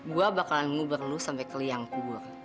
gue bakalan ngubur lo sampe keliang kubur